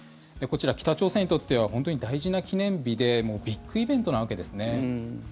こちら、北朝鮮にとっては本当に大事な記念日でビッグイベントなわけですね。